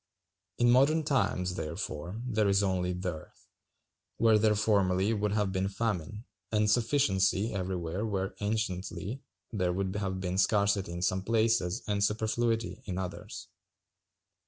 In modern times, therefore, there is only dearth, where there formerly would have been famine, and sufficiency everywhere when anciently there would have been scarcity in some places and superfluity in others.